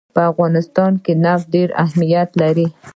په افغانستان کې نفت ډېر اهمیت لري.